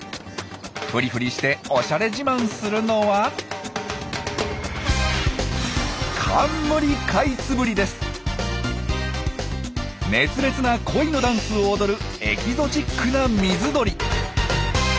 フリフリしておしゃれ自慢するのは熱烈な恋のダンスを踊るエキゾチックな水鳥。